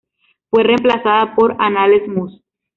Fue reemplazada por "Anales Mus.